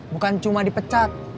bukan cuma dipecat